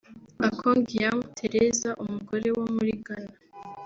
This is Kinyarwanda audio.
Akongyam Theresa (umugore wo muri Ghana)